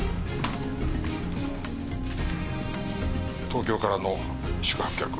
東京からの宿泊客